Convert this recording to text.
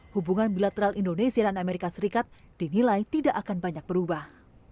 hubungan bilateral indonesia dan amerika serikat dinilai tidak akan banyak berubah